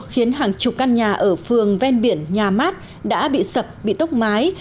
khiến hàng chục căn nhà ở phường ven biển nhà mát đã bị sập bị tốc mái